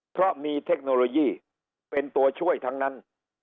เพราะมีเทคโนโลยีเป็นตัวช่วยทั้งนั้น